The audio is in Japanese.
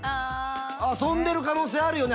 遊んでる可能性あるよね